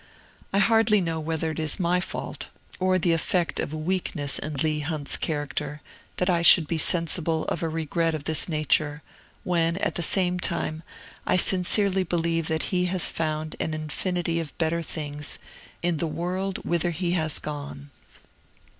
I hardly know whether it is my fault, or the effect of a weakness in Leigh Haunt's character, that I should be sensible of a regret of this nature, when, at the same time, I sincerely believe that he has found an infinity of better things in the world whither he has gone.